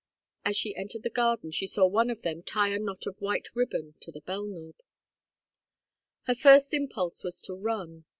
As she entered the garden she saw one of them tie a knot of white ribbon to the bell knob. Her first impulse was to run.